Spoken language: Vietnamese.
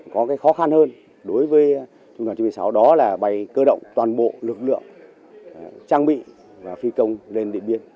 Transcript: có cái khó khăn hơn đối với trung đoàn chín một mươi sáu đó là bay cơ động toàn bộ lực lượng trang bị và phi công lên điện biên